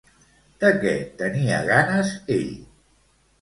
De què tenia ganes ell?